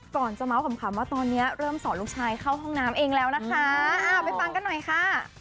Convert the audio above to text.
ก่อนจะเมาส์ขำว่าตอนนี้เริ่มสอนลูกชายเข้าห้องน้ำเองแล้วนะคะอ้าวไปฟังกันหน่อยค่ะ